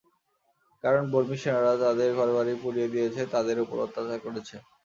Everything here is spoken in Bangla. কারণ, বর্মি সেনারা তাদের ঘরবাড়ি পুড়িয়ে দিয়েছে, তাদের ওপর অত্যাচার করেছে।